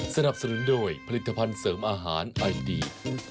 สนับสนุนโดยผลิตภัณฑ์เสริมอาหารไอดี